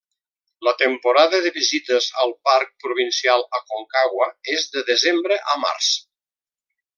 La temporada de visites al Parc provincial Aconcagua és de desembre a març.